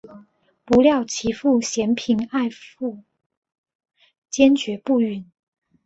不料其父嫌贫爱富坚决不允。